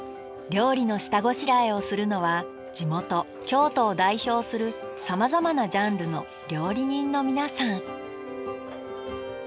料理の下ごしらえをするのは地元京都を代表するさまざまなジャンルの料理人の皆さん。